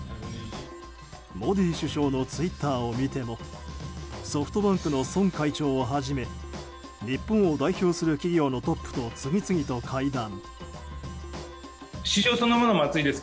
モディ首相のツイッターを見てもソフトバンクの孫会長をはじめ日本を代表する企業のトップと次々と会談。